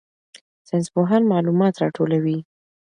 ساینسپوهان معلومات راټولوي.